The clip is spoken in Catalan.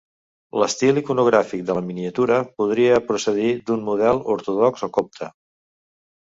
L'estil iconogràfic de la miniatura podria procedir d'un model ortodox o copte.